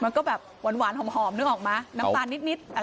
มันก็แบบหวานหอมนึกออกไหมน้ำตาลนิดอะไรอย่างนี้